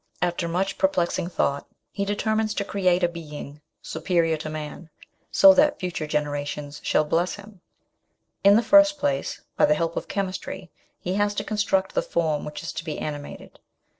After much perplexing thought he deter mines to create a being superior to man, so that future generations shall bless him. In the first place, by the help of chemistry, he has to construct the form which is to be animated.